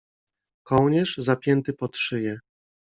Kołnierz, zapięty pod szyję.